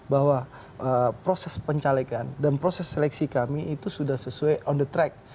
bahwa proses pencalekan dan proses seleksi kami itu sudah sesuai on the track